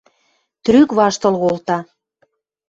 Трӱк ваштыл колта.